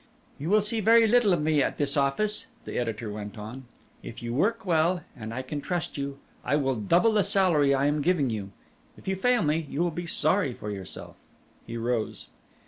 "You will see very little of me at this office," the editor went on. "If you work well, and I can trust you, I will double the salary I am giving you; if you fail me, you will be sorry for yourself." He rose.